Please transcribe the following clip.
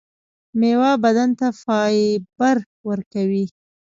میوه بدن ته فایبر ورکوي